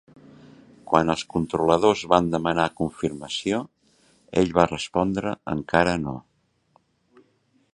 Quan els controladors van demanar confirmació, ell va respondre "encara no".